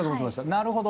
なるほど。